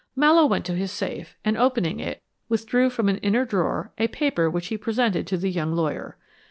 Mallowe went to his safe, and opening it, withdrew from an inner drawer a paper which he presented to the young lawyer.